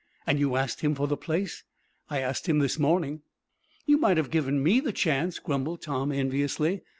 "And you asked him for the place?" "I asked him this morning." "You might have given me the chance," grumbled Tom, enviously.